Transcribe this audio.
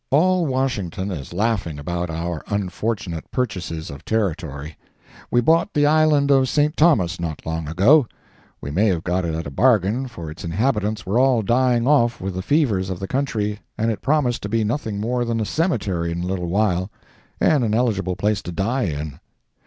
All Washington is laughing about our unfortunate purchases of territory. We bought the Island of St. Thomas not long ago. We may have got it at a bargain, for its inhabitants were all dying off with the fevers of the country, and it promised to be nothing more than a cemetery in a little while, and an eligible place to die in.